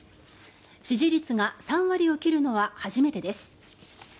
支持率が３割を切るのは初めてです。